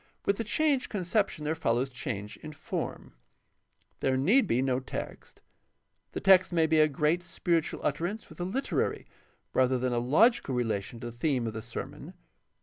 With the changed conception there follows change in form. There need be no text. The text may be a great spiritual utterance with a literary rather than a logical relation to the theme of the sermon.